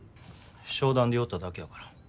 商談で寄っただけやから。